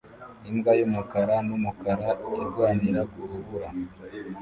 Imbwa yumukara numukara irwanira kurubura